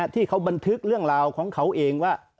ที่เขาบันทึกเรื่องราวของเขาเองว่า